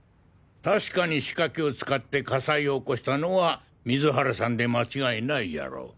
確かに仕掛けを使って火災を起こしたのは水原さんで間違いないじゃろう。